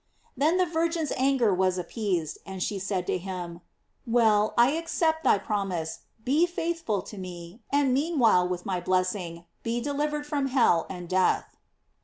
Then the Virgin's anger was appeased, and she said to him: "Well, I ac cept t\iy promise, be faithful to me, and mean while with my blessing, be delivered from hell and death."